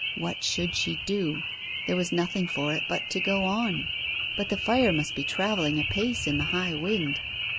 What should she do? There was nothing for it but to go on. But the fire must be travelling apace in the high wind.